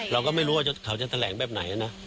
เราก็ไม่รู้ว่าเขาจะแถลงแบบไหนนะ